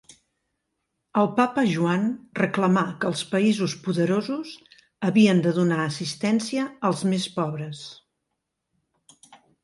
El Papa Joan reclamà que els països poderosos havien de donar assistència als més pobres.